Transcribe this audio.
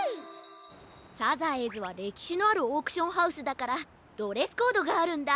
サザエーズはれきしのあるオークションハウスだからドレスコードがあるんだ。